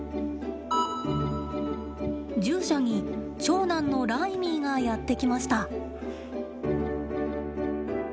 獣舎に長男のライミーがやって来ました。